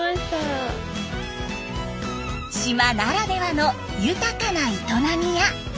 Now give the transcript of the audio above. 島ならではの豊かな営みや。